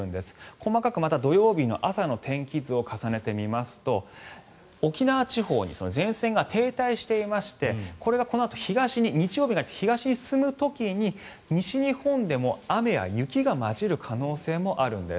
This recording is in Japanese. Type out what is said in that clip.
細かくまた土曜日の朝の天気図を重ねてみますと沖縄地方に前線が停滞していましてこれがこのあと日曜にかけて東に進む時に西日本でも雨や雪が交じる可能性もあるんです。